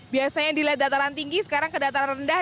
biasanya yang dilihat dataran tinggi sekarang ke dataran rendah